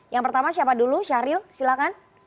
yang pertama siapa dulu syahril silahkan